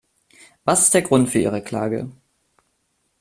Was ist der Grund für ihre Klage?